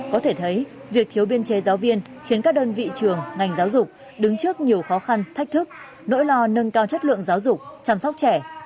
có thể thấy việc thiếu biên chế giáo viên khiến các đơn vị trường ngành giáo dục đứng trước nhiều khó khăn thách thức nỗi lo nâng cao chất lượng giáo dục chăm sóc trẻ